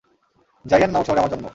জাইয়ান নামক শহরে আমার জন্ম।